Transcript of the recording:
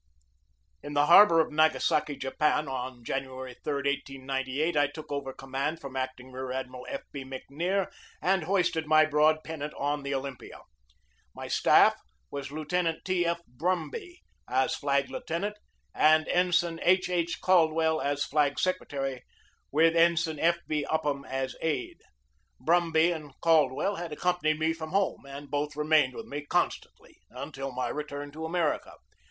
In the harbor of Nagasaki, Japan, on January 3, 1898, I took over the command from Acting Rear Admiral F. B. McNair, and hoisted my broad pen nant on the Olympia. My staff was Lieutenant T. F. Brumby as flag lieutenant and Ensign H. H. Caldwell as flag secretary, with Ensign F. B. Up ham as aide. Brumby and Caldwell had accom panied me from home, and both remained with me constantly until my return to America.